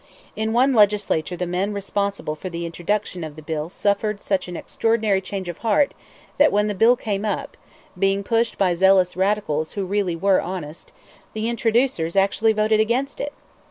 In one Legislature the men responsible for the introduction of the bill suffered such an extraordinary change of heart that when the bill came up being pushed by zealous radicals who really were honest the introducers actually voted against it!